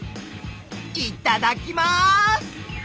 いただきます！